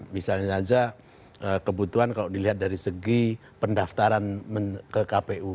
misalnya saja kebutuhan kalau dilihat dari segi pendaftaran ke kpu